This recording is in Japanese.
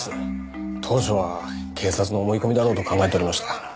当初は警察の思い込みだろうと考えておりました。